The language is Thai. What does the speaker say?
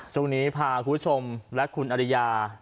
ช่วงนี้พาคุณผู้ชมและคุณอริยา